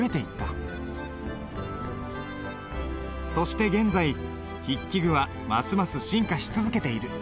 そして現在筆記具はますます進化し続けている。